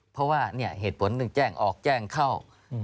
เพราะว่าเหตุผลหนึ่งแจ้งออกแจ้งเข้า